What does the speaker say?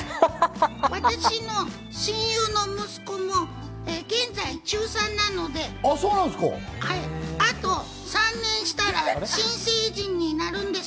私の親友の息子も現在、中３なので、あと３年したら新成人になるんです。